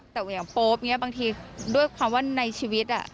แต่อย่างโป๊ปนี้บางทีด้วยความว่าในชีวิต